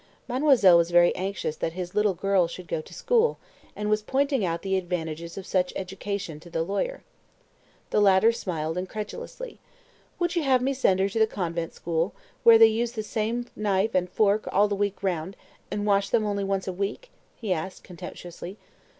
Mademoiselle was very anxious that his little girl should go to school, and was pointing out the advantages of such education to the lawyer. The latter smiled incredulously. "Would you have me send her to the convent school, where they use the same knife and fork all the week round, and wash them only once a week?" he asked contemptuously.